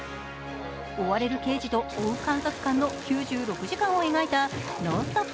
追われる刑事と追う監察官の９６時間を描いたノンストップ